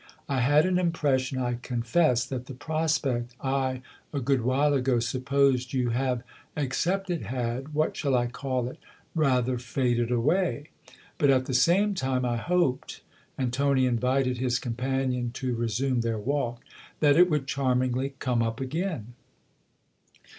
I had an impression, I confess, that the prospect I a good while ago supposed you have accepted had what shall I call it ? rather faded away. But at the same time I hoped" and Tony invited his com panion to resume their walk " that it would charmingly come up again."